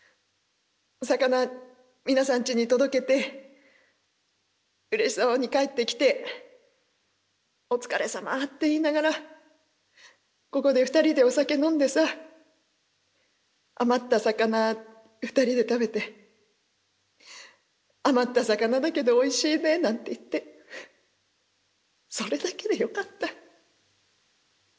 お魚皆さんちに届けてうれしそうに帰ってきて『お疲れさま』って言いながらここで２人でお酒飲んでさ余った魚２人で食べて『余った魚だけどおいしいね』なんて言ってそれだけでよかった。